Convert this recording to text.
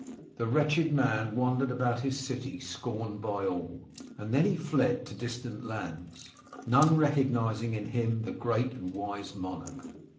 The wretched man wandered about his city scorned by all ; then he fled into distant lands, none recognising in him the great and wise monarch.